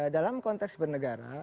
dalam konteks bernegara